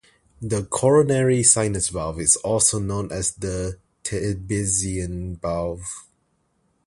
The coronary sinus valve is also known as the "Thebesian valve".